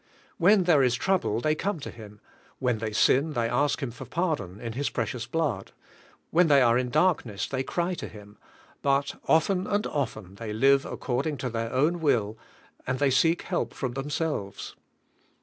When there is trouble they come to Him, when they sin they ask Him for pardon in His precious blood, when they are in darkness they cry to Him; but often and often they live according to their own will, and they seek help from themselves.